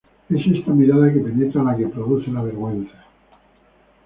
Es esta mirada que penetra la que produce la vergüenza.